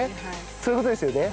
そういうことですよね。